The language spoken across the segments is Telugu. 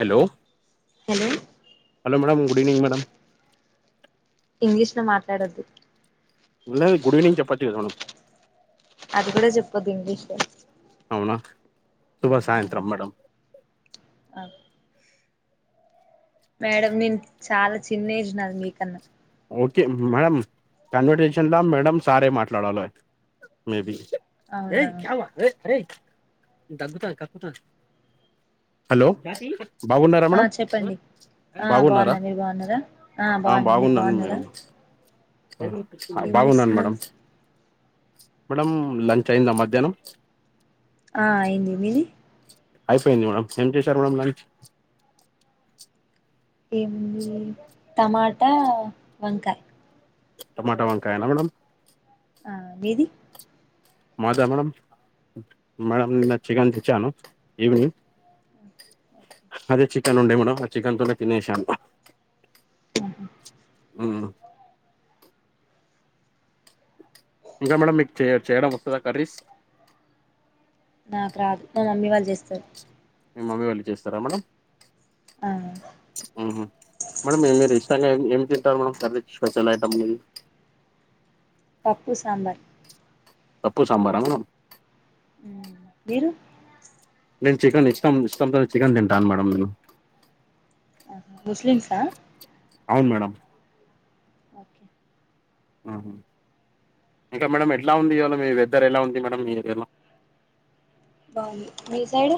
Hello hello hello madam good evening madam English ల మాట్లాడొద్దు వున్నది గుడ్ ఈవినింగ్ చెప్పచు కదా మేడం అది కూడా చెప్పొద్దు ఇంగ్లీష్ లో అవునా శుభ సాయంత్రం మేడం అగు మేడం నేను చాలా చిన్న ఏజ్ నాది మీకన్నా ఓకే మేడం కన్వర్సేషన్ ల మేడం సారే మాట్లాడాల మేబి అవునా ఏయ్ చావా ఎయ్ అరేయ్ తగ్గుతాంది కక్కుతాంది హలో జాతి బాగున్నారా ఆ మేడం చెప్పండి ఆ బాగున్నారా బాగున్నా మీరు బాగున్నారా ఆ బాగున్నా మీరు బాగున్నాను బాగున్నారా అ ఏం బాగున్నాను చేస్తున్నారు మేడం మేడం లంచ్ అయిందా మధ్యాహ్నం ఆ అయింది మీది అయిపోయింది మ్యాడం ఏం చేశారు మ్యాడం లంచ్ ఏం లేదు టమాటా వంకాయ్ టమాటా వంకాయన మేడం ఆ మీది మాదా మేడం మేడం నిన్న చికెన్ తెచ్చాను ఈవనింగ్ అదే చికెన్ ఉండే మేడమ్ ఆ చికన్ తొనే తినేషానూ ఆహా ఊ ఇంకా మేడమ్ మీకు చేయ చేయడం వస్తదా కర్రీస్ నాకు రాదు మా మమ్మీ వాళ్ళు చేస్తారు మీ మమ్మీ వాళ్ళు చేస్తారా మేడం ఆ ఊహు మేడం మీరు ఇష్టంగా ఏం తింటారు మేడం కర్రి శ్వతలైటము పప్పు సాంబార్ పప్పు సాంబార్ ఆ మేడం ఆ మీరు నేను చికెన్ ఇష్టం ఇష్టం తోనే చికెన్ తింటాను మేడం నేను ముస్లిమ్సా అవును మేడం ఓకే ఆహా ఇంకా మేడం ఎట్లా ఉంది ఇవాళ మీ వెద్దర్ ఎలా ఉంది మేడం మీ ఏరియాల బావుంది మీ సైడ్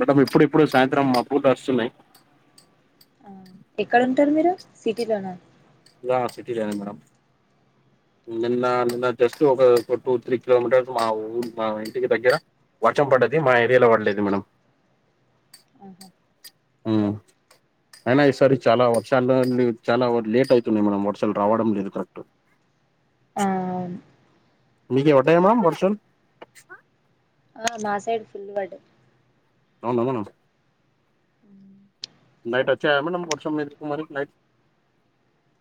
మేడం ఇప్పుడు ఇప్పుడె సాయంత్రం మబ్బులు వస్తున్నాయ్ ఆ ఎక్కడ ఉంటారు మీరు సిటీ లోన లా సిటిలనే మేడం నిన్న నిన్న జస్ట్ ఒక ఒక టూ త్రీ కిలోమీటర్స్ మా ఊరు మా ఇంటికి దగ్గర వర్షం పడది మా ఏరియాలో పడలేదు మేడం ఆహా ఆ అయినా ఈసారి చాలా వర్షాల ను చాలా లేట్ అవుతున్నాయి మేడం వర్షాలు రావడం లేదు కరెక్ట్ ఆవున్ మీకేయి పడ్డయా మ్యామ్ వర్షాలు. ఆ మాసైడ్ ఫుల్లు పడ్డయి. అవునా మేడం. నైటోచ్చాయా మ్యాడమ్ వర్షం మీకు మరి నైట్.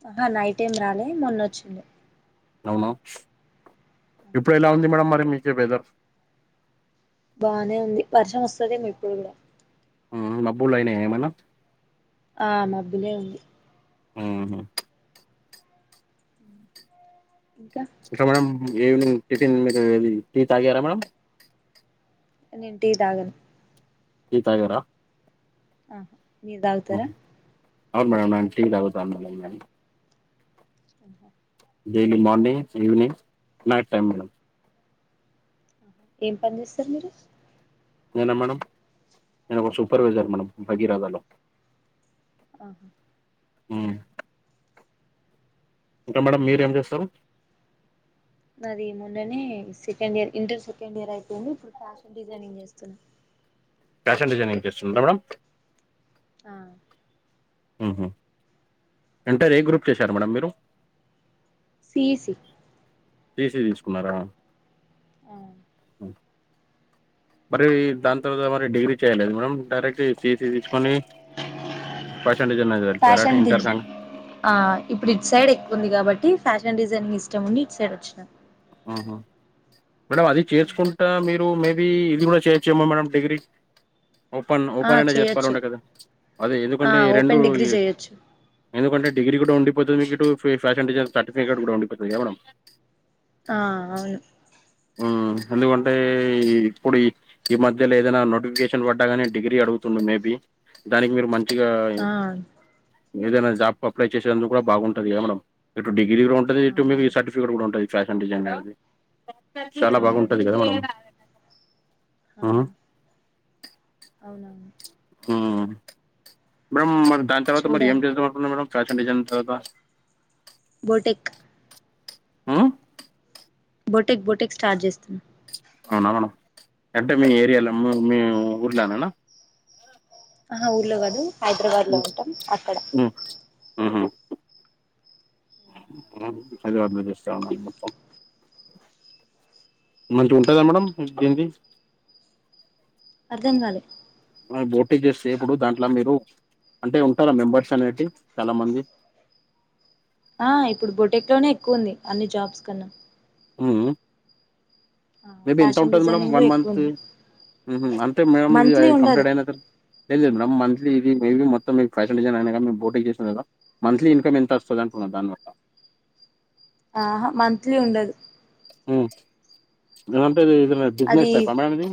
ఆహా నైటేం రాలే మొన్న వచ్చుండే. అవునా, ఇప్పుడు ఎలా ఉంది మేడం మరి మీకేయి వెదర్. బానే ఉంది వర్షం వస్తదేమో ఇప్పుడు కూడా. ఆ మబ్బులైనయా ఎమన్నా. ఆ మబ్బులే ఉంది. ఆహా ఇంకా. ఇంకా మేడం ఈవినింగ్ టిఫిన్ మీకు ఇది టీ తాగారా మేడం. నేన్ టీ తాగను. టీ తాగరా. ఆ మీరు తాగుతరా? మ్మ్. అవును మేడం నేను టీ తాగుతాను మేడం. ఇంకా. Daily morning, evening, night time madam. ఏం పని చేస్తరు మీరు? నేనా మేడం నేను ఒక సూపర్వైజర్ మేడం భగీరథలో. ఆహా. హ్ ఇంకా మేడమ్ మీరు ఏం చేస్తరు? నాది మొన్ననే second year inter second year అయిపోయింది, ఇప్పుడు ఫ్యాషన్ డిజైనింగ్ చేస్తున్నా. ఫ్యాషన్ డిజైనింగ్ చేస్తుంర్రా మేడం. ఆ ఇంటర్ ఏ గ్రూప్ చేశారు మేడం మీరు? సిఇసి. సిఇసి తీసుకున్నారా. ఆ మరి దాని తర్వాత మరి డిగ్రీ చేయలేదు మేడం డైరెక్టీ. సిఇసి తీసుకొని ఫ్యాషన్ డిజైనింగ్ వైపు ఎళిపోయార ఫ్యాషన్ ది ఇంటర్ కాంగా. ఆ ఇప్పుడు ఇటు సైడ్ ఎక్కువ ఉంది కాబట్టి ఫ్యాషన్ డిజైనింగ్ ఇష్టం ఉండి ఇటు సైడ్ వచ్చినాను. ఆహా. మేడం అది చేసుకుంటా మీరు మేబీ ఇది కూడా చెయ్యోచ్చేమో మేడం డిగ్రీ. ఓపెన్ ఆ ఓపెన్ అయినా చేసుకోవల చేయొచ్చు ఉండే కదా అదే ఆ ఎందుకంటే ఈ రెండు ఓపెన్ డిగ్రీ చేయొచ్చు ఎందుకంటే డిగ్రీ కూడా ఉండిపోతది మీకు ఇటు, ఫ్యాషన్ డిజైన్ సర్టిఫికేట్ కూడా ఉండిపోతది కదా మేడం. ఆ అవును. హు ఎందుకంటే ఇప్పుడు ఈ ఈ మధ్యల ఏదైనా నోటిఫికేషన్ పడ్డాగానే డిగ్రీ అడుగుతుండు మేబి, దానికి మీరు మం గా ఆ ఏదైనా జాబ్కు అప్లై చేసేందుకు కూడా బాగుంటది కదా మేడం. ఇటు డిగ్రీ కూడా ఉంటది, ఇటు మీకు అవునవును సర్టిఫికెట్ కూడా ఉంటది ఫ్యాషన్ డిజైనర్ది. చాలా ఆ బాగుంటది అవును కదా మేడం. ఆ. ఉమ్, అవునవును. ఉ మేడం మరి దాని తర్వాత మరి ఏం చూడాలి చేద్దాం అనుకున్నారు ఫ్యాషన్ డిజైన్ తర్వాత, బోటెక్. ఉమ్ బోటెక్ బోటెక్ స్టార్ట్ చేస్తున్నా, అవునా మేడం అంటే మీ ఏరియాలో మీ ఊర్లోనేనా, ఆహా ఊర్ల కాదు. హైదరాబాద్ ఉ లో ఉంటాం అక్కడ ఉ ఉహ్, ఆ జాబ్ మీకు ఇస్తామున్నాము [unintelligible] మంచిగా ఉంటా కదా మేడం దీనికి, అర్థం కాలే, బోటీ చేస్తే ఇప్పుడు దాంట్లో మీరు అంటే ఉంటారా మెంబర్స్ అనేటి చాలా మంది. ఆ ఇప్పుడు బొటెక్ లోనే ఎక్కువ ఉంది అన్ని జాబ్స్ కన్నా. ఉహు ఆ మేబీ ఎంత ఫ్యాషన్ ఉంటుంది మేడం డిజైనింగ్ లో వన్ ఎక్కువ మంత్ ఉంది ఉహు అంతే మేడం ఇది మంత్లీ ఉండదు కంప్లీట్ అయినతర్వా, లేదు మేడం మంత్లీ ఇది మేబీ మొత్తం మీ ఫ్యాషన్ డిజైనర్ బోటింగ్ చేస్తునారు కదా, మంత్లీ ఇన్కమ్ ఎంత వస్తుంద అనుకుంటా దానివల్ల, ఆహా మంత్లీ ఉండదు. హూ నేంత ఇ అది బిజినెస్ టైప మది.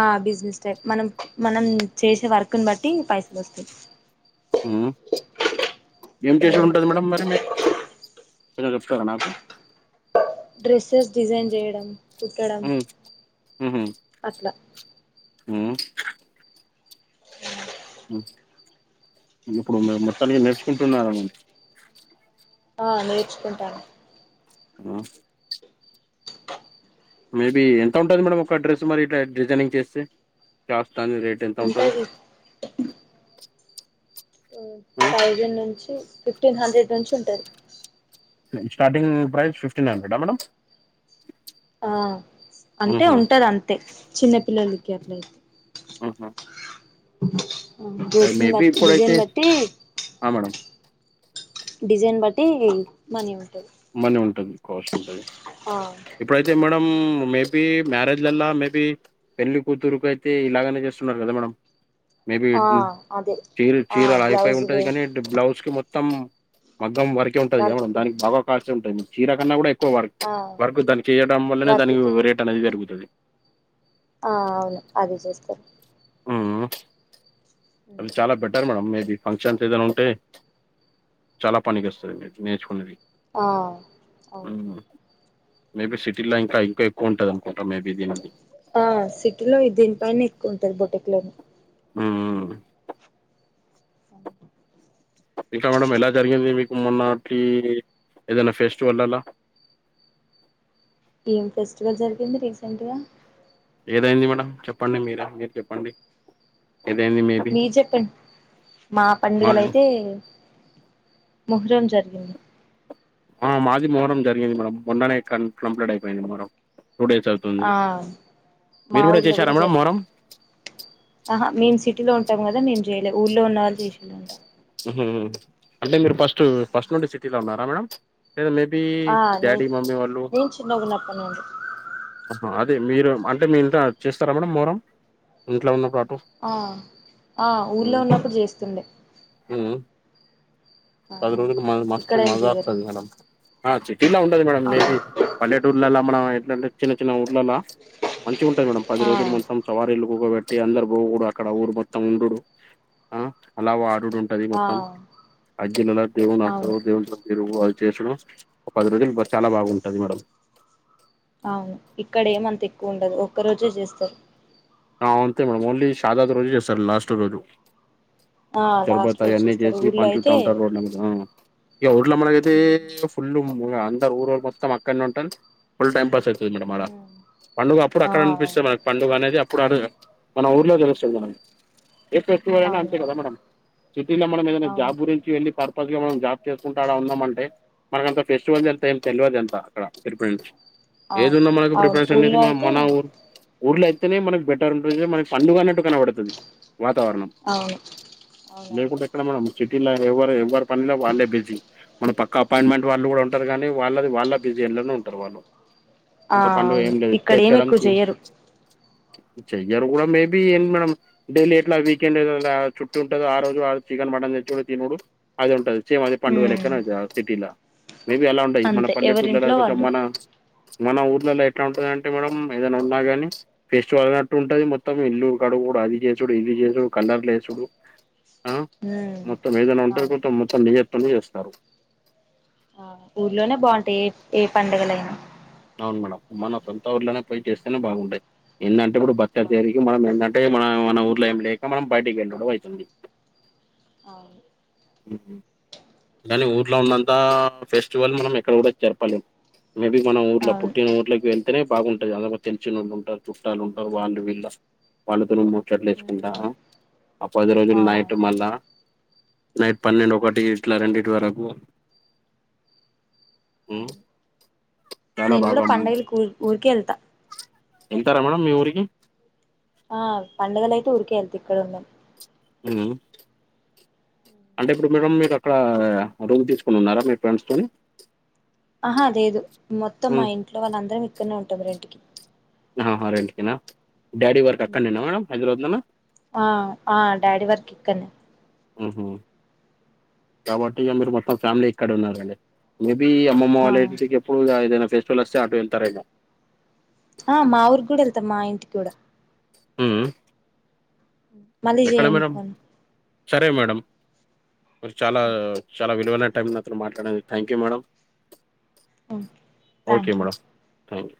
ఆ బిజినెస్ టైప్ మనం మనం చేసే వర్క్ను బట్టి పైసలు వస్తుంది. ఉ ఏం చేసిడు ఉంటుంది మేడం మరి మీరు చిన్నగా చెప్తారా నాకు. డ్రెస్సెస్ డిజైన్ చేయడం. కుట్టడం ఉ హుహు అట్లా ఉ ఇప్పుడు మీ మొత్తానికి నేర్చుకుంటున్నారు. ఆ నేర్చుకుంటాను. ఆ అ మేబీ ఎంత ఉంటుంది మేడం ఒక డ్రెస్ మరి ఇట్లా డిజైనింగ్ చేస్తే టాప్ తన్ రేట్ ఉంటది ఉ ఆ! థౌసండ్ నుంచి, ఫిఫ్టీన్ హండ్రెడ్ నుంచి ఉంటుంది. Starting price fifteen hundred madam, ఆ అంటే హుహు. ఉంటది అంతే చిన్న పిల్లలకి అట్లయితే, ఊహ డ్రెస్న్ మేబీ బట్టి ఇప్పుడైతే డిజైన్ బట్టి, ఆ మేడం, డిజైన్ బట్టి మనీ ఉంటుంది. మనీ ఉంటుంది కాస్ట్ ఉంటుంది. ఇప్పుడైతే మేడం మేబి మ్యారేజ్లల్లా మేబి, పెళ్లి కూతురుకు అయితే ఇలాగనే చేస్తున్నారు కదా మేడం. మేబి ఆ ఎట్ట్ను అదే చీర ఆ చీరల అయిపోయి ఉంటది బ్లౌజులు కానీ బ్లౌజ్ కి మొత్తం. మగ్గం వరకే ఉంటుంది కదా మన వర్క్ దానికి బాగా కాస్ట్ ఉంటది చీర కన్నా కూడా, ఎక్కువ వర్క్ ఆ వర్క్ దాని చేయడం వల్లనే దానికి వర్క్కి రేట్ అనేది పెరుగుతది. ఆ అవును అది చేస్తారు. ఊ. వు అవి చాలా బెటర్ మేడం మేబి, ఫంక్షన్స్ ఏదైనా ఉంటే చాలా పనికి వస్తది మీరు నేర్చుకునేది. ఆ ఊ అవును మేబీ సిటీలో ఇంకా ఇంకా ఎక్కువ ఉంటది అనుకుంటా మేబీ దీనికి ఆ సిటీలో దీనిపైనే ఎక్కువా ఉంటాది బోటిక్ లోనే ఉ ఊ అంత్ ఇంకా మేడం ఎలా జరిగింది మీకు మొన్నటి ఏదైనా ఫెస్టివల్ అల్లా ఏం ఫెస్టివల్ జరిగింది రీసెంట్ గా ఏదైంది మేడం చెప్పండి మీరే మీరు చెప్పండి ఇదేంది మీ మీరు చెప్పండి మా పండుగలైతే మోహరం జరిగింది ఆ మాది మొహరం జరిగింది మామ్ మొన్ననే కాన్ కంప్లీట్ అయిపోయింది మొహరం టూ డేస్ అవు ఆ మా ఊర్లో కూడా మేడం మొహరం జరిగింది ఆహా మేం సిటీలో ఉంటాం కదా మేం చేయలే ఊర్లో ఉన్నవాళ్ళు చేసిళ్ళు అంట ఉహు అంటే మీరు ఫస్ట్ ఫస్ట్ నుండి సిటీలో ఉన్నారా మేడమ్ లేద మేబీ డాడీ మమ్మీ వాళ్ళు చిన్నగా ఉన్నప్పుడు నుండి ఆహ అదే మీరు అంటే మీ ఇంట్లో చేస్తారా మేడం మోహారం ఇంట్లో ఉన్న పాటు ఆ ఆ ఊర్లో ఉన్నప్పుడు చేస్తుండే ఉ ఆ పది రోజులు మ మస్తు ఇక్కడేం మజా చెయ్యరు వస్తుంది మేడమ్ ఆ సిటీలా ఉండదు మేడం ఆ మేబీ పల్లెటూర్లల్లా మనం ఎట్లాంటే చిన్న చిన్న ఊర్లల్లా మంచిగా ఉంటాయి మేడమ్ పది ఆ రోజులు మొత్తం సవారిలు కుకోబెట్టి అందరు అక్కడ ఊరు మొత్తం ఉండుడు ఆ అలా వాడుడు ఆ అగ్గి లల్ల దేవుడు అవును నడుసుడు దేవు తిరుగు అది చేసూడు ఒక పది రోజులు బా చాలా బాగుంటది మేడం అవును ఇక్కడ ఏమంత ఎక్కువ ఉండదు ఒక్క రోజే చేస్తారు ఆ ఉంతే మేడం ఓన్లీ సాదాది రోజే చేస్తారు లాస్ట్ రోజు ఆ శర్బద్ లాస్ట్ రోజు ఆయన్ని చేస్తారు చేసి ఊర్లో పంచుతా అయితే ఉంటారు రోడ్లమీ ఆ ఇగ ఊర్లో మనకైతే ఫుల్ మా అందరు ఊరుళ్ళో మొత్తం అక్కనే ఉంటరు ఫుల్ టైం పాస్ అయితుంది మేడమ్ ఆడ ఉమ్, పండుగ అప్పుడు ఆ అక్కడ అనిపిస్తే మన పండుగ అనేది అప్పుడు అడా మన ఊర్లో తెలుస్తుంది మేడం ఏ ఫెస్టివల్ అయినా అంతే కదా అవునవును మేడం సిటీలో మనం ఏదైనా అవును జాబ్ గురించి వెళ్ళి పర్పస్ గా మనం జాబ్ చేసుకుంటా ఆడ ఉన్నాంమంటే మనకంత ఫెస్టివల్స్ ఎంత ఏం తెలియదు ఎంత అక్కడ తిరుప నుంచి ఏది అవును ఉన్నా మనకు అవును ప్రిఫరెన్స్ అనేది ఊళ్ళో మ అయితే మన ఊర్ ఊర్ల అయితేనే మనకు బెటర్ ఉంటది మనకి పండుగ అన్నట్టు కనబడుతది వాతావరణం అవును అవునవును లేకుంటే ఎక్కడ మేడం సిటీలా ఎవరు ఎవ్వరు పనిలో వాళ్ళే బిజి మనం పక్క అపాయింట్మెంట్ వాళ్ళు కూడా ఉంటారు కానీ వాళ్ళది వాళ్ళ బిజీ ఏండ్లనో ఉంటారు వాళ్ళు ఆ అంత పండుగ అవును ఏం లేదు ఇక్కడ ఏమి ఎక్కువ తెచ్చడానికి చెయ్యరు చెయ్యారు కూడా మేబి ఏన్ మేడం డైలీ ఎట్లా వీకెండ్ల చుట్టూ ఉంటది ఆ రోజు ఆ చికెన్ మటన్ తెచ్చుడు తినుడు అది ఉంటది సేమ్ అది పండుగ ఉమ్ లెక్కన అయితది సిటీలా మేబి అలా ఉండయి మన అంతే ఎవరింట్లో పల్లెటూరలాళ్ళ కొంచం వాళ్ళు మన మన ఊర్లలో ఎట్లా ఉంటంది అంటే మేడమ్ ఏదైనా ఉన్నా గాని ఫెస్టివల్ న్నట్టు ఉంటది మొత్తం ఇల్లు కడుగుడు అది చేసుడు ఇది చేసుడు కలర్లు ఏసుడు ఆ ఉమ్ మొత్తం ఏదైనా ఉంటే అవును కొత్తం మొత్తం డిజైన్లతో చేస్తారు ఆ ఊర్లోనే ఆ బాగుంటాయి ఏ ఏ పండగలైనా అవును మేడమ్ మన సొంత ఊర్లోనే పోయ్యి చేస్తేనే బాగుండే ఎందంటే ఇప్పుడు బతక ఆ [unintelligible] కి మనం ఏంటంటే మన మన ఊర్లో ఏమి లేక మనం బయటకి వెళ్ళడు అయితుంది అవును ఉహు మన ఊర్లో ఉన్నంత ఫెస్టివల్ మనం ఎక్కడ కూడా జరపలేము మేబి మనం ఇట్లా అవును పుట్టిన ఊర్లోకి వెళ్ తొనే బాగుంటుంది అందరు తెలిచినొళ్ళు ఉంటారు చుట్టాలు ఉంటారు వాళ్ళు వీళ్ళ వాళ్ళ పిల్లలు ముచ్చట్లు యేసుకుంటా ఉమ్, ఆ ఆ పది ఆ రోజులు నైట్ మళ్ళా నైట్ పన్నెండు ఒకటి ఇట్లా రెండిటి వరకు మ్మ్ అవును నేను కూడా పండగలకు ఊరు ఊరికే యేళ్తా యేళ్తార మేడం మీ ఊరికి ఆ పండుగలు అయితే ఊరికే వెళ్తా ఇక్కడ ఉండం ఉనా అంటే ఇప్పుడు మేడమ్ మీరు అక్కడ రూమ్ తీసుకుని ఉన్నారా మీ ఫ్రెండ్స్ తొని ఆహ లేదు మొత్తం మా హ్మ్. ఇంట్లో వాళ్ళం అందరం ఇక్కడనే ఉంటామ్ రెంటికి అహ రెంటికేనా డాడి వర్క్ అక్కడినేనా మేడం హైదరాబాద్ లోనా ఆ ఆ డాడీ వర్క్ ఇక్కన్నే ఉహు కాబట్టి ఇగ మీరు మొత్తం ఫ్యామిలీ ఇక్కడ ఉన్నారండి మేబి అమ్మమ్మ ఆ వాళ్ళ ఇంటికి ఎప్పుడు ఇగ ఏదైన ఫెస్టివల్ వస్తే అటు వెళ్తారు ఏమో ఆ మా ఊరికి కూడా వెళ్తాం మా ఇంటికి కూడా మ్మ్ హ్మ్ [inaudible] ఎక్కడ చేయండి మేడం ఫోన్ సరే మేడం మీరు చాలా ఓకే చాలా విలువైన టైం నాకు మాట్లాడినదానికి thank you madam okay thank you madam thank you